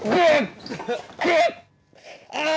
ああ！